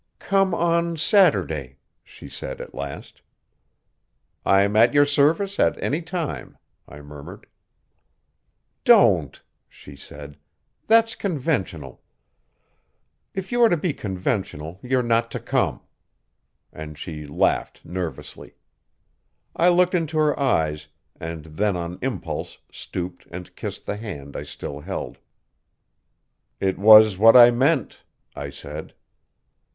"Come on Saturday," she said at last. "I'm at your service at any time," I murmured. "Don't," she said. "That's conventional. If you are to be conventional you're not to come." And she laughed nervously. I looked into her eyes, and then on impulse stooped and kissed the hand I still held. "It was what I meant," I said.